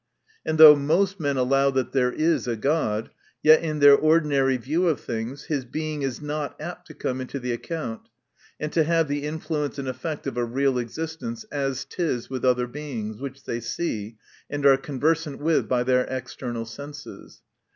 And though most men allow that there is a God, yet in their ordinary view of things, his Being is not apt to come into the account, and to have the influence and effect of a real existence, as it is with other Beings wThich they see, and are conversant with by their external senses.